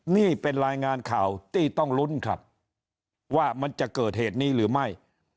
นี่เป็นรายงานข่าวที่ต้องลุ้นครับว่ามันจะเกิดเหตุนี้หรือไม่